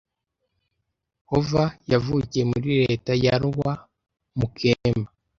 Hoover yavukiye muri leta ya Iowa mu kemba.